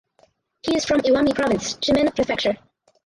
He is from Iwami Province (Shimane Prefecture).